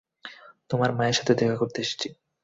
তোমার মায়ের সাথে দেখা করতে এসেছি।